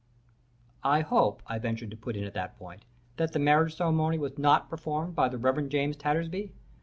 "I hope," I ventured to put in at that point, "that the marriage ceremony was not performed by the Reverend James Tattersby."